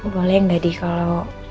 boleh nggak dee kalo